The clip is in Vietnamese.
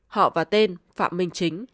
họ và tên phạm minh chính